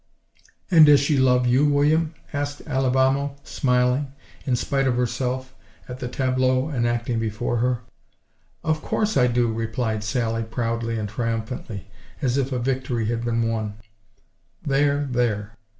"And does she love you, William?" asked Alibamo, smiling in spite of herself at the tableau enacting before her. "Of course I do!" replied Sally, proudly and triumphantly, as if a victory had been won. "There—there!